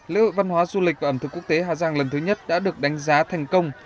lễ hội văn hóa du lịch và ẩm thực quốc tế hà giang lần thứ nhất đã được đánh giá thành công